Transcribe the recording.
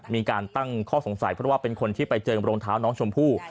มีตั้งข้อสงสัยเพราะว่าเป็นคนที่ไปเจอกับรองเท้าเชมภู